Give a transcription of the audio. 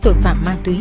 tội phạm ma túy